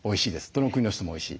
どの国の人もおいしい。